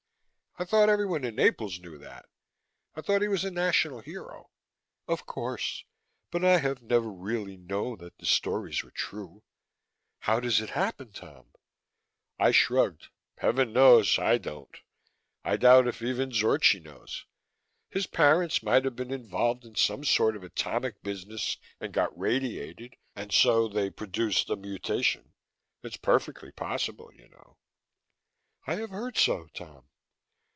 "I thought everyone in Naples knew that. I thought he was a national hero." "Of course, but I have never really known that the stories were true. How does it happen, Tom?" I shrugged. "Heaven knows, I don't. I doubt if even Zorchi knows. His parents might have been involved in some sort of atomic business and got radiated, and so they produced a mutation. It's perfectly possible, you know." "I have heard so, Tom."